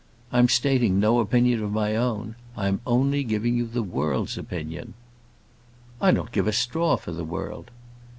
I am stating no opinion of my own: I am only giving you the world's opinion." "I don't give a straw for the world."